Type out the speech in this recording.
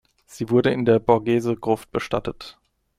Sie wurde in der Borghese-Gruft bestattet.